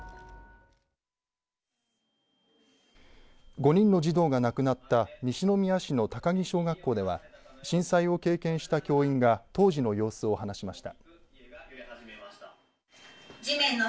５人の児童が亡くなった西宮市の高木小学校では震災を経験した教員が当時の様子を話しました。